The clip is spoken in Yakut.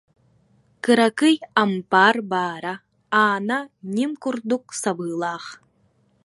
Кыракый ампаар баара, аана ньим курдук сабыылаах